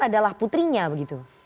adalah putrinya begitu